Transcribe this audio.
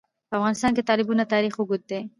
په افغانستان کې د تالابونه تاریخ اوږد دی.